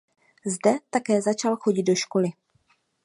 Zde také začal chodit do školy.